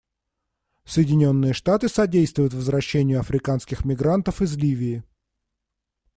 Соединенные Штаты содействуют возвращению африканских мигрантов из Ливии.